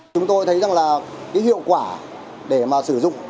chúng tôi thấy rằng là cái hiệu quả để mà sử dụng